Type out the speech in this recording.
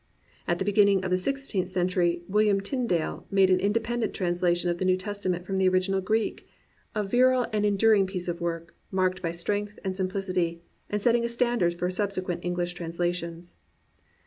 At the beginning of the sixteenth century William Tindale made an independent translation of the New Testament from the original Greek, a virile and enduring piece of work, marked by strength and simplicity, and setting a standard for subsequent English translations.